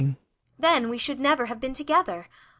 ] Then we should never have been together.